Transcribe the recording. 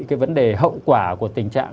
cái vấn đề hậu quả của tình trạng